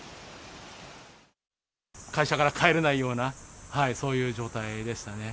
会社から帰れないような、そういう状態でしたね。